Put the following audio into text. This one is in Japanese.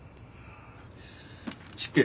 失敬。